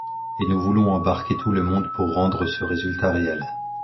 Et nous voulons embarquer tout le monde pour rendre ce résultat réel.